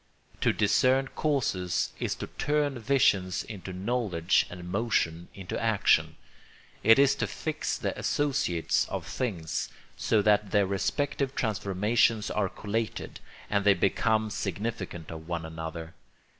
To discern causes is to turn vision into knowledge and motion into action. It is to fix the associates of things, so that their respective transformations are collated, and they become significant of one another.